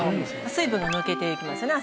水分が抜けていきますよね